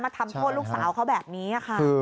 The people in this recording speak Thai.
ทำโทษลูกสาวเขาแบบนี้ค่ะ